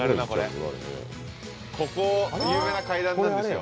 ここ有名な階段なんですよ